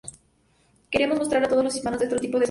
Quería mostrar a otros hispanos de este otro tipo de sonido.